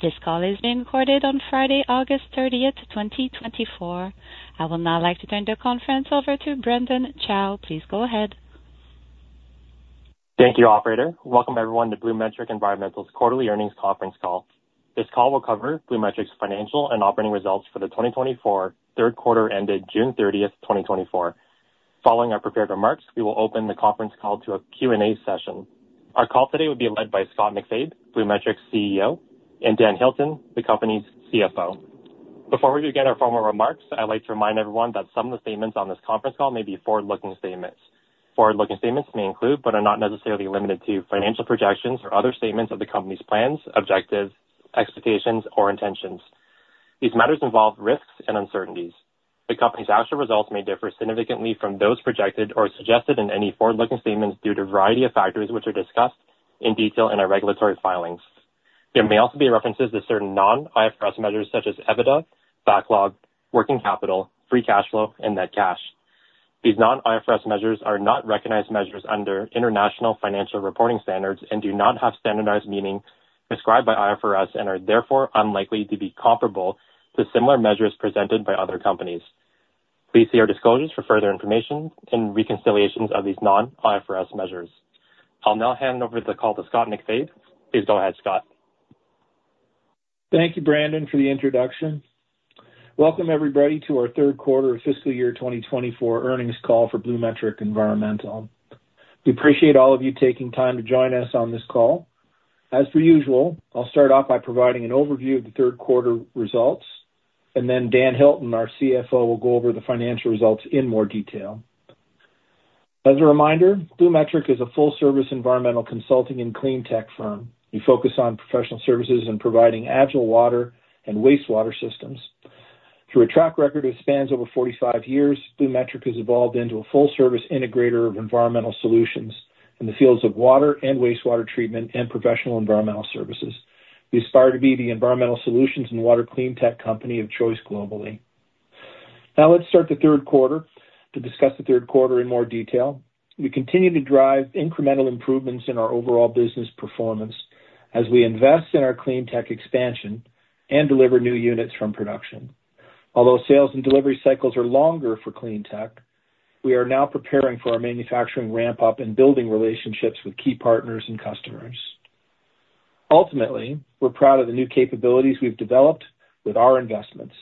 This call is being recorded on Friday, August 30, 2024. I would now like to turn the conference over to Brandon Chow. Please go ahead. Thank you, operator. Welcome everyone to BluMetric Environmental's quarterly earnings conference call. This call will cover BluMetric's financial and operating results for the 2024 third Quarter ended June 30th, 2024. Following our prepared remarks, we will open the conference call to a Q&A session. Our call today will be led by Scott MacFabe, BluMetric's CEO, and Dan Hilton, the company's CFO. Before we begin our formal remarks, I'd like to remind everyone that some of the statements on this conference call may be forward-looking statements. Forward-looking statements may include, but are not necessarily limited to, financial projections or other statements of the company's plans, objectives, expectations, or intentions. These matters involve risks and uncertainties. The company's actual results may differ significantly from those projected or suggested in any forward-looking statements due to a variety of factors, which are discussed in detail in our regulatory filings. There may also be references to certain non-IFRS measures, such as EBITDA, backlog, working capital, free cash flow, and net cash. These non-IFRS measures are not recognized measures under international financial reporting standards and do not have standardized meaning prescribed by IFRS, and are therefore unlikely to be comparable to similar measures presented by other companies. Please see our disclosures for further information and reconciliations of these non-IFRS measures. I'll now hand over the call to Scott MacFabe. Please go ahead, Scott. Thank you, Brandon, for the introduction. Welcome, everybody, to our third quarter fiscal year 2024 earnings call for BluMetric Environmental. We appreciate all of you taking time to join us on this call. As per usual, I'll start off by providing an overview of the third quarter results, and then Dan Hilton, our CFO, will go over the financial results in more detail. As a reminder, BluMetric is a full-service environmental consulting and cleantech firm. We focus on professional services and providing agile water and wastewater systems. Through a track record that spans over 45 years, BluMetric has evolved into a full-service integrator of environmental solutions in the fields of water and wastewater treatment and professional environmental services. We aspire to be the environmental solutions and water cleantech company of choice globally. Now, let's start the third quarter to discuss the third quarter in more detail. We continue to drive incremental improvements in our overall business performance as we invest in our cleantech expansion and deliver new units from production. Although sales and delivery cycles are longer for cleantech, we are now preparing for our manufacturing ramp up and building relationships with key partners and customers. Ultimately, we're proud of the new capabilities we've developed with our investments.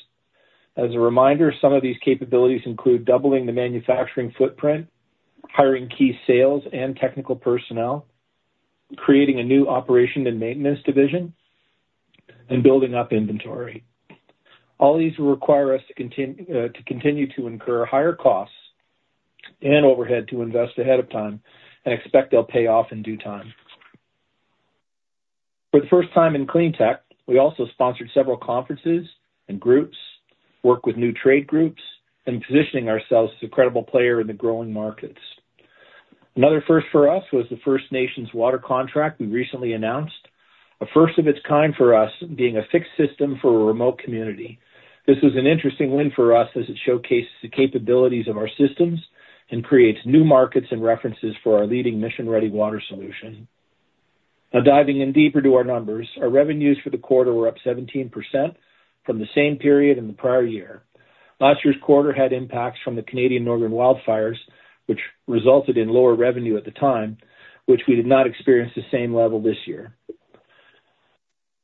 As a reminder, some of these capabilities include doubling the manufacturing footprint, hiring key sales and technical personnel, creating a new operation and maintenance division, and building up inventory. All these will require us to continue to incur higher costs and overhead to invest ahead of time and expect they'll pay off in due time. For the first time in cleantech, we also sponsored several conferences and groups, worked with new trade groups, and positioning ourselves as a credible player in the growing markets. Another first for us was the First Nations water contract we recently announced, a first of its kind for us being a fixed system for a remote community. This was an interesting win for us as it showcases the capabilities of our systems and creates new markets and references for our leading Mission Ready Water solution. Now, diving in deeper to our numbers. Our revenues for the quarter were up 17% from the same period in the prior year. Last year's quarter had impacts from the Canadian northern wildfires, which resulted in lower revenue at the time, which we did not experience the same level this year.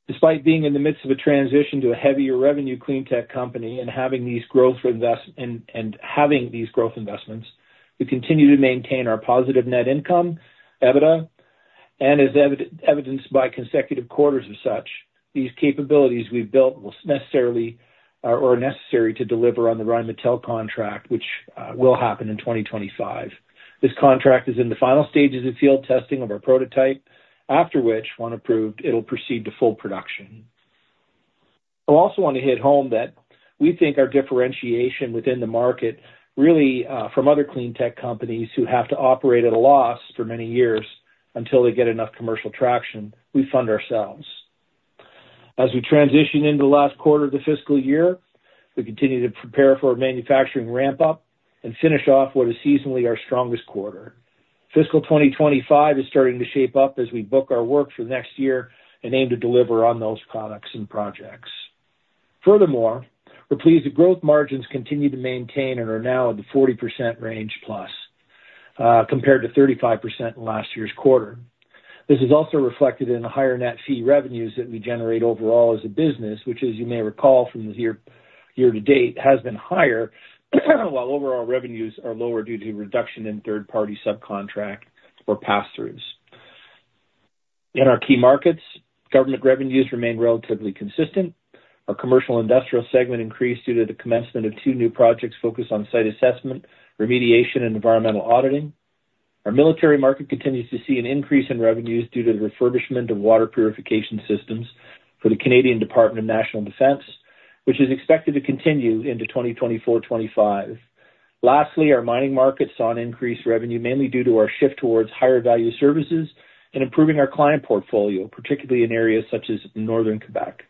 Despite being in the midst of a transition to a heavier revenue cleantech company and having these growth investments, we continue to maintain our positive net income, EBITDA, and as evidenced by consecutive quarters as such, these capabilities we've built will necessarily or are necessary to deliver on the Rheinmetall contract, which will happen in 2025. This contract is in the final stages of field testing of our prototype, after which, when approved, it'll proceed to full production. I also want to hit home that we think our differentiation within the market, really from other cleantech companies who have to operate at a loss for many years until they get enough commercial traction, we fund ourselves. As we transition into the last quarter of the fiscal year, we continue to prepare for a manufacturing ramp up and finish off what is seasonally our strongest quarter. Fiscal 2025 is starting to shape up as we book our work for the next year and aim to deliver on those products and projects. Furthermore, we're pleased that gross margins continue to maintain and are now at the 40% range plus, compared to 35% in last year's quarter. This is also reflected in the higher net fee revenues that we generate overall as a business, which, as you may recall from the year, year to date, has been higher, while overall revenues are lower due to reduction in third-party subcontract or pass-throughs. In our key markets, government revenues remain relatively consistent. Our commercial industrial segment increased due to the commencement of two new projects focused on site assessment, remediation, and environmental auditing. Our military market continues to see an increase in revenues due to the refurbishment of water purification systems for the Canadian Department of National Defence, which is expected to continue into 2024, 2025. Lastly, our mining market saw an increased revenue, mainly due to our shift towards higher value services and improving our client portfolio, particularly in areas such as Northern Quebec.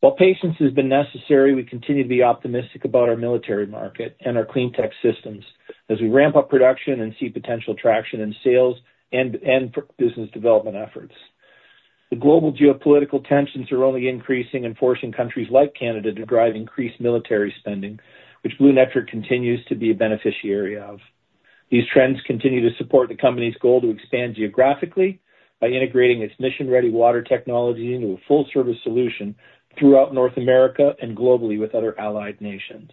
While patience has been necessary, we continue to be optimistic about our military market and our cleantech systems as we ramp up production and see potential traction in sales and business development efforts. The global geopolitical tensions are only increasing and forcing countries like Canada to drive increased military spending, which BluMetric continues to be a beneficiary of. These trends continue to support the company's goal to expand geographically by integrating its Mission Ready Water technology into a full service solution throughout North America and globally with other allied nations.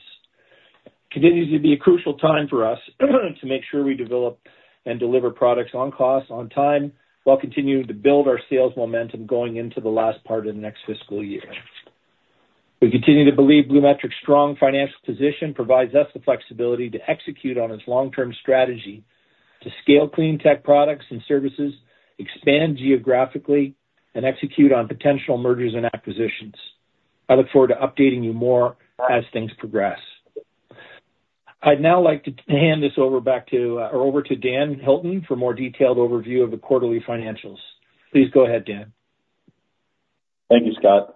It continues to be a crucial time for us to make sure we develop and deliver products on cost, on time, while continuing to build our sales momentum going into the last part of the next fiscal year. We continue to believe BluMetric's strong financial position provides us the flexibility to execute on its long-term strategy to scale cleantech products and services, expand geographically, and execute on potential mergers and acquisitions. I look forward to updating you more as things progress. I'd now like to hand this over back to, or over to Dan Hilton for a more detailed overview of the quarterly financials. Please go ahead, Dan. Thank you, Scott.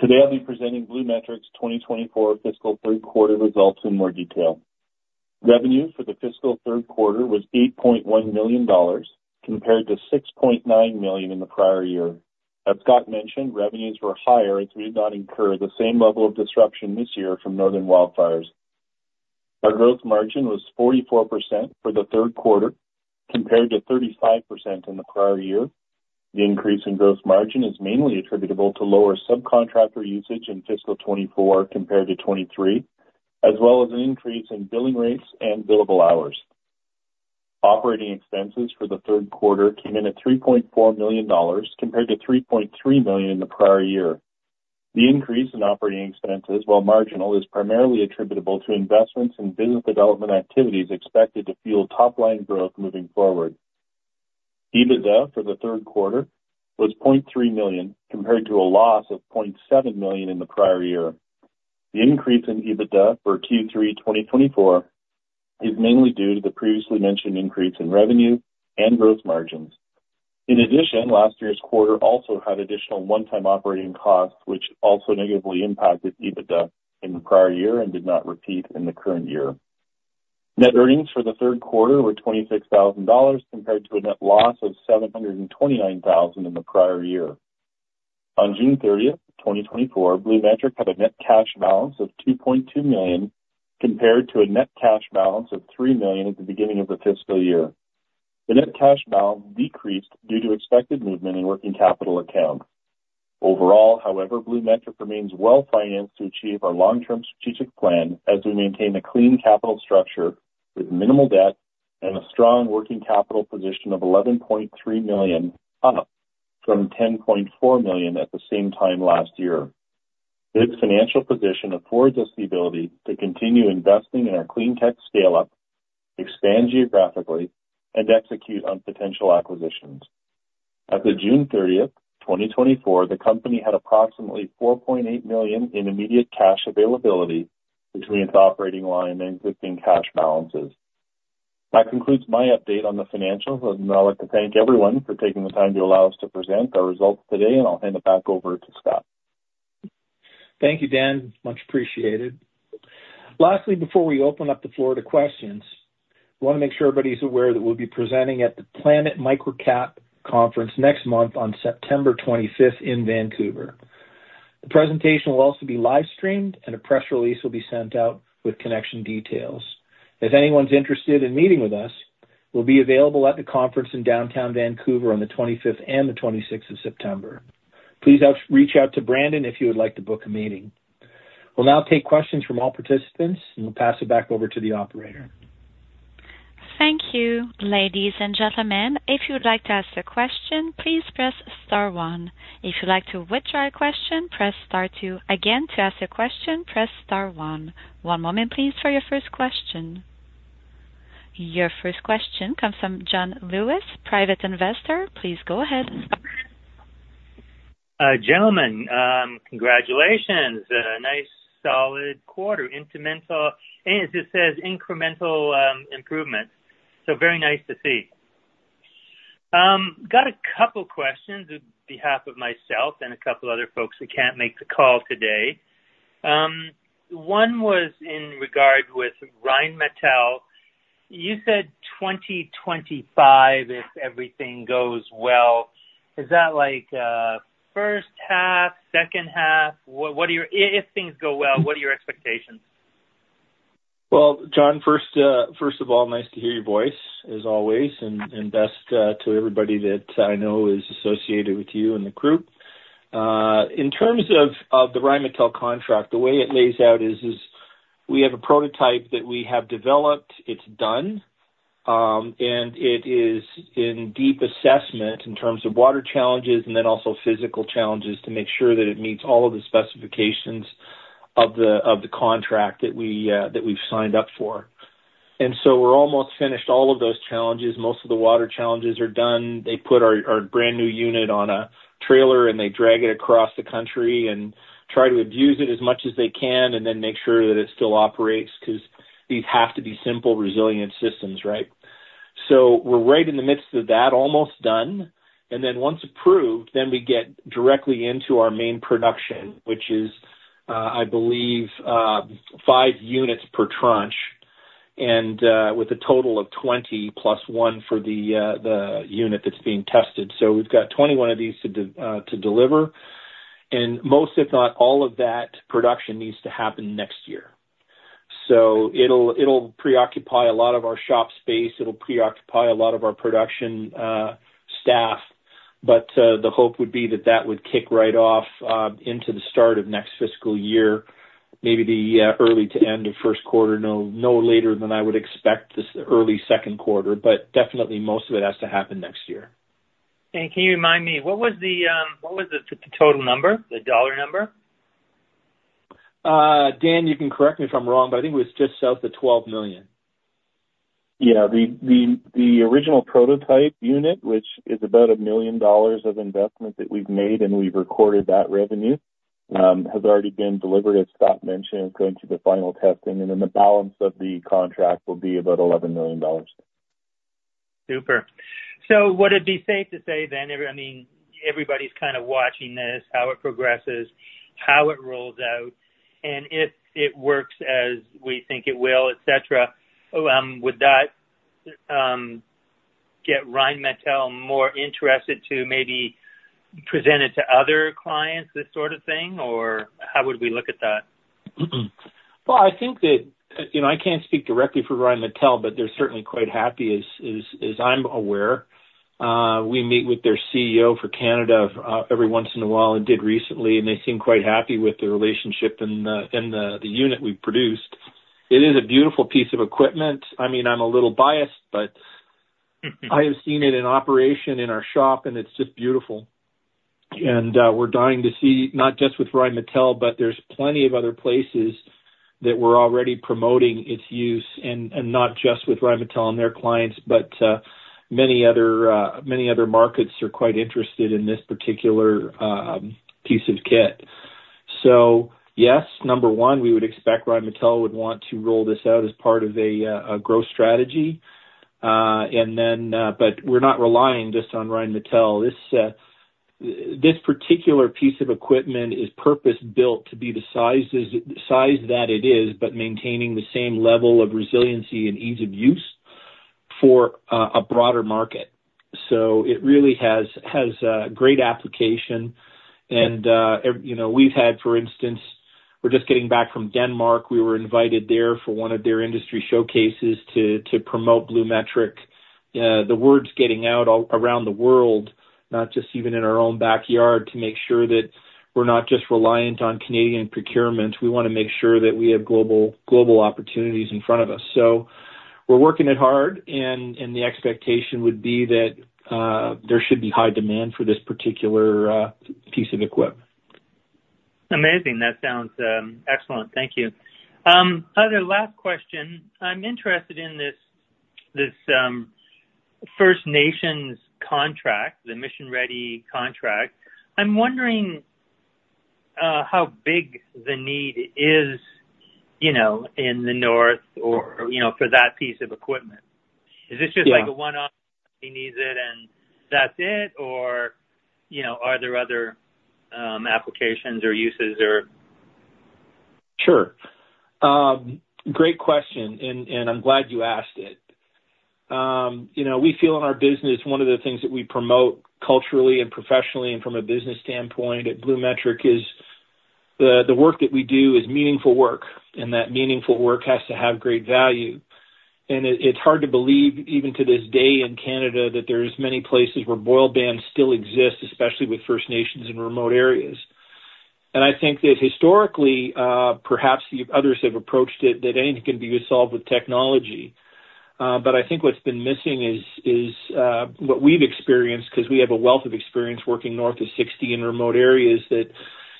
Today, I'll be presenting BluMetric's 2024 fiscal third quarter results in more detail. Revenue for the fiscal third quarter was 8.1 million dollars, compared to 6.9 million in the prior year. As Scott mentioned, revenues were higher as we did not incur the same level of disruption this year from northern wildfires. Our gross margin was 44% for the third quarter, compared to 35% in the prior year. The increase in gross margin is mainly attributable to lower subcontractor usage in fiscal 2024 compared to 2023, as well as an increase in billing rates and billable hours. Operating expenses for the third quarter came in at 3.4 million dollars, compared to 3.3 million in the prior year. The increase in operating expenses, while marginal, is primarily attributable to investments in business development activities expected to fuel top-line growth moving forward. EBITDA for the third quarter was 0.3 million, compared to a loss of 0.7 million in the prior year. The increase in EBITDA for Q3, 2024 is mainly due to the previously mentioned increase in revenue and gross margins. In addition, last year's quarter also had additional one-time operating costs, which also negatively impacted EBITDA in the prior year and did not repeat in the current year. Net earnings for the Q3 were 26,000 dollars, compared to a net loss of 729,000 in the prior year. On June 30th, 2024, BluMetric had a net cash balance of 2.2 million, compared to a net cash balance of 3 million at the beginning of the fiscal year. The net cash balance decreased due to expected movement in working capital account. Overall, however, BluMetric remains well-financed to achieve our long-term strategic plan as we maintain a clean capital structure with minimal debt and a strong working capital position of 11.3 million, up from 10.4 million at the same time last year. This financial position affords us the ability to continue investing in our cleantech scale-up, expand geographically, and execute on potential acquisitions. As of June 30th, 2024, the company had approximately 4.8 million in immediate cash availability between its operating line and existing cash balances. That concludes my update on the financials, and I'd like to thank everyone for taking the time to allow us to present our results today, and I'll hand it back over to Scott. Thank you, Dan. Much appreciated. Lastly, before we open up the floor to questions, we wanna make sure everybody's aware that we'll be presenting at the Planet MicroCap Conference next month on September 25th in Vancouver. The presentation will also be live streamed, and a press release will be sent out with connection details. If anyone's interested in meeting with us, we'll be available at the conference in downtown Vancouver on the 25th and the 26th of September. Please reach out to Brandon if you would like to book a meeting. We'll now take questions from all participants, and we'll pass it back over to the operator. Thank you, ladies and gentlemen. If you would like to ask a question, please press star one. If you'd like to withdraw your question, press star two. Again, to ask a question, press star one. One moment, please, for your first question. Your first question comes from John Lewis, private investor. Please go ahead. Gentlemen, congratulations. A nice, solid quarter, incremental, and it just says incremental improvement, so very nice to see. Got a couple questions on behalf of myself and a couple other folks who can't make the call today. One was in regard with Rheinmetall. You said 2025, if everything goes well. Is that like first half, second half? What are your expectations if things go well? John, first of all, nice to hear your voice, as always, and best to everybody that I know is associated with you and the crew. In terms of the Rheinmetall contract, the way it lays out is we have a prototype that we have developed. It's done, and it is in deep assessment in terms of water challenges and then also physical challenges, to make sure that it meets all of the specifications of the contract that we've signed up for. And so we're almost finished all of those challenges. Most of the water challenges are done. They put our brand new unit on a trailer, and they drag it across the country and try to abuse it as much as they can and then make sure that it still operates, 'cause these have to be simple, resilient systems, right? So we're right in the midst of that, almost done, and then once approved, then we get directly into our main production, which is, I believe, five units per tranche, and, with a total of twenty plus one for the, the unit that's being tested. So we've got twenty-one of these to deliver, and most, if not all of that production, needs to happen next year. So it'll preoccupy a lot of our shop space, it'll preoccupy a lot of our production staff, but the hope would be that that would kick right off into the start of next fiscal year, maybe the early to end of first quarter, no, no later than I would expect this early second quarter, but definitely most of it has to happen next year. Can you remind me, what was the total number, the dollar number? Dan, you can correct me if I'm wrong, but I think it was just south of 12 million. Yeah. The original prototype unit, which is about 1 million dollars of investment that we've made, and we've recorded that revenue, has already been delivered, as Scott mentioned, and then the balance of the contract will be about 11 million dollars. Super. So would it be safe to say then, everybody, I mean, everybody's kind of watching this, how it progresses, how it rolls out, and if it works as we think it will, et cetera, would that get Rheinmetall more interested to maybe present it to other clients, this sort of thing? Or how would we look at that? I think that, you know, I can't speak directly for Rheinmetall, but they're certainly quite happy, as I'm aware. We meet with their CEO for Canada every once in a while, and did recently, and they seem quite happy with the relationship and the unit we produced. It is a beautiful piece of equipment. I mean, I'm a little biased, but I have seen it in operation in our shop, and it's just beautiful. And we're dying to see, not just with Rheinmetall, but there's plenty of other places that we're already promoting its use, and not just with Rheinmetall and their clients, but many other markets are quite interested in this particular piece of kit. Yes, number one, we would expect Rheinmetall would want to roll this out as part of a growth strategy. Then, but we're not relying just on Rheinmetall. This particular piece of equipment is purpose-built to be the size that it is, but maintaining the same level of resiliency and ease of use for a broader market. It really has great application. You know, we've had, for instance, we're just getting back from Denmark. We were invited there for one of their industry showcases to promote BluMetric. The word's getting out all around the world, not just even in our own backyard, to make sure that we're not just reliant on Canadian procurement. We wanna make sure that we have global opportunities in front of us. So we're working it hard, and the expectation would be that there should be high demand for this particular piece of equipment. Amazing. That sounds excellent. Thank you. Other last question. I'm interested in this First Nations contract, the mission-ready contract. I'm wondering how big the need is, you know, in the North or, you know, for that piece of equipment? Yeah. Is this just like a one-off, he needs it, and that's it, or, you know, are there other applications or uses or? Sure. Great question, and I'm glad you asked it. You know, we feel in our business one of the things that we promote culturally and professionally, and from a business standpoint at BluMetric, is the work that we do is meaningful work, and that meaningful work has to have great value. And it's hard to believe, even to this day in Canada, that there's many places where boil bans still exist, especially with First Nations in remote areas. And I think that historically, perhaps the others have approached it, that anything can be solved with technology. But I think what's been missing is what we've experienced, 'cause we have a wealth of experience working North 60 in remote areas, that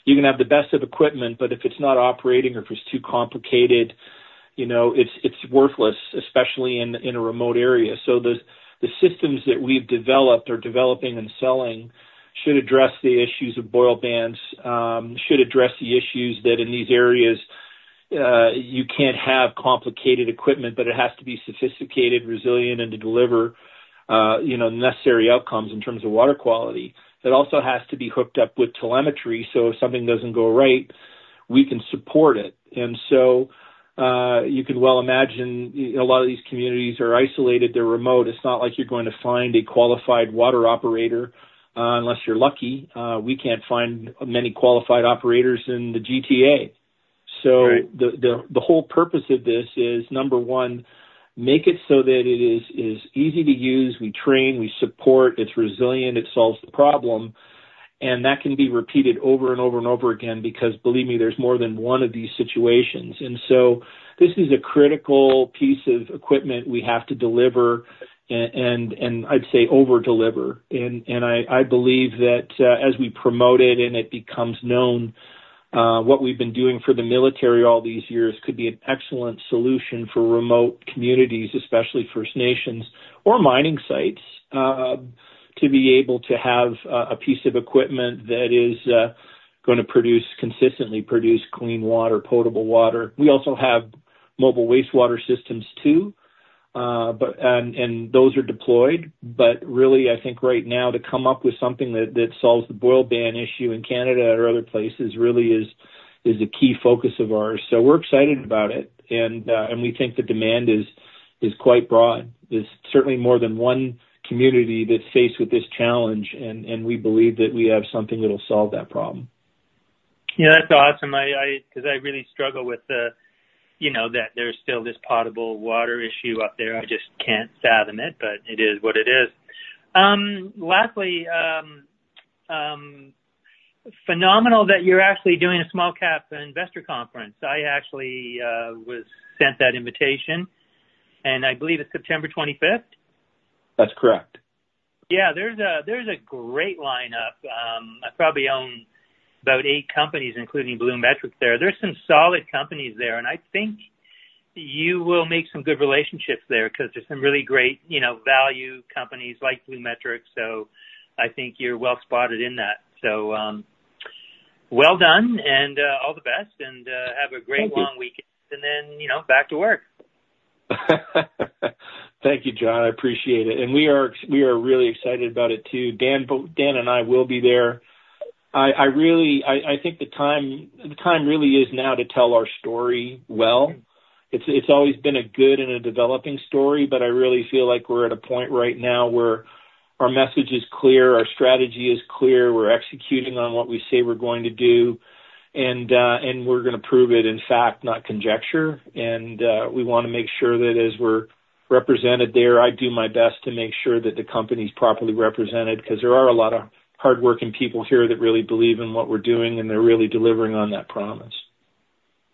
you can have the best of equipment, but if it's not operating or if it's too complicated, you know, it's worthless, especially in a remote area. So the systems that we've developed or developing and selling should address the issues of boil bans, should address the issues that in these areas you can't have complicated equipment, but it has to be sophisticated, resilient, and to deliver you know necessary outcomes in terms of water quality. It also has to be hooked up with telemetry, so if something doesn't go right, we can support it. And so you can well imagine a lot of these communities are isolated, they're remote. It's not like you're going to find a qualified water operator, unless you're lucky. We can't find many qualified operators in the GTA. Right. The whole purpose of this is, number one, make it so that it is easy to use, we train, we support, it's resilient, it solves the problem, and that can be repeated over and over and over again, because believe me, there's more than one of these situations. This is a critical piece of equipment we have to deliver and I'd say over-deliver. I believe that as we promote it and it becomes known, what we've been doing for the military all these years could be an excellent solution for remote communities, especially First Nations or mining sites to be able to have a piece of equipment that is gonna produce consistently produce clean water, potable water. We also have mobile wastewater systems, too, but and those are deployed. But really, I think right now, to come up with something that solves the boil ban issue in Canada or other places, really is a key focus of ours. So we're excited about it, and we think the demand is quite broad. There's certainly more than one community that's faced with this challenge, and we believe that we have something that'll solve that problem. Yeah, that's awesome. I 'cause I really struggle with the, you know, that there's still this potable water issue up there. I just can't fathom it, but it is what it is. Lastly, phenomenal that you're actually doing a small cap investor conference. I actually was sent that invitation, and I believe it's September 25th? That's correct. Yeah, there's a great lineup. I probably own about eight companies, including BluMetric there. There's some solid companies there, and I think you will make some good relationships there, 'cause there's some really great, you know, value companies like BluMetric. So I think you're well-spotted in that. So, well done, and all the best, and Thank you. Have a great long weekend, and then, you know, back to work. Thank you, John. I appreciate it, and we are really excited about it, too. Dan and I will be there. I really think the time really is now to tell our story well. It's always been a good and a developing story, but I really feel like we're at a point right now where our message is clear, our strategy is clear, we're executing on what we say we're going to do, and we're gonna prove it in fact, not conjecture, and we wanna make sure that as we're represented there, I do my best to make sure that the company's properly represented, 'cause there are a lot of hardworking people here that really believe in what we're doing, and they're really delivering on that promise.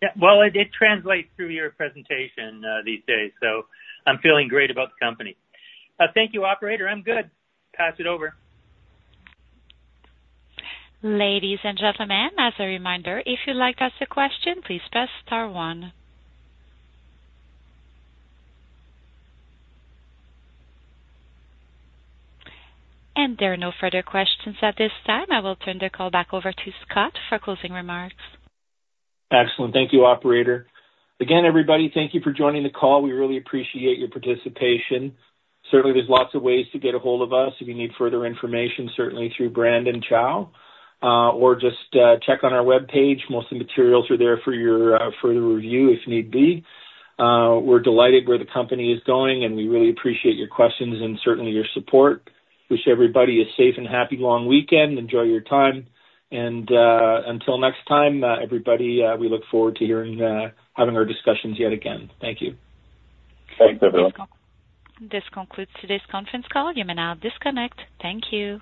Yeah. Well, it translates through your presentation, these days, so I'm feeling great about the company. Thank you, operator. I'm good. Pass it over. Ladies and gentlemen, as a reminder, if you'd like to ask a question, please press star one. And there are no further questions at this time. I will turn the call back over to Scott for closing remarks. Excellent. Thank you, operator. Again, everybody, thank you for joining the call. We really appreciate your participation. Certainly, there's lots of ways to get a hold of us if you need further information, certainly through Brandon Chow, or just, check on our webpage. Most of the materials are there for your, further review, if need be. We're delighted where the company is going, and we really appreciate your questions and certainly your support. Wish everybody a safe and happy long weekend. Enjoy your time and, until next time, everybody, we look forward to hearing, having our discussions yet again. Thank you. Thanks, everyone. This concludes today's conference call. You may now disconnect. Thank you.